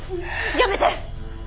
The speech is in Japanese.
やめて！